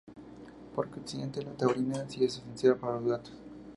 Por consiguiente, la taurina sí es esencial para los gatos.